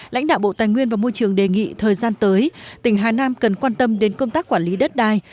lãnh đạo bộ tài nguyên và môi trường đề nghị thời gian tới tỉnh hà nam cần quan tâm đến công tác quản lý đất đai